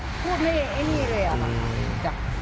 พูดไม่เห็นไอ้นี่เลยอะ